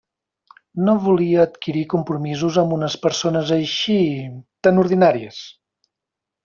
No volia adquirir compromisos amb unes persones així..., tan ordinàries.